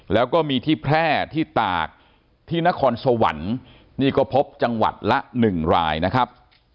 แล้วก็มีที่แพร่ที่ตากที่นครสวรรค์นี่ก็พบจังหวัดละ๑รายนะครับ